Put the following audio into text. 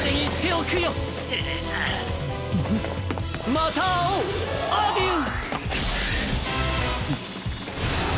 またあおうアデュー！